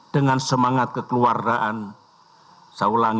dan semangat yang paling penting